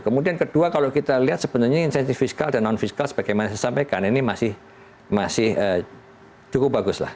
kemudian kedua kalau kita lihat sebenarnya insentif fiskal dan non fiskal sebagaimana saya sampaikan ini masih cukup bagus lah